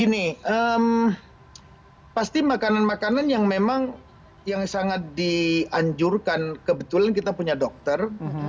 gini pasti makanan makanan yang memang yang sangat dianjurkan kebetulan kita punya dokter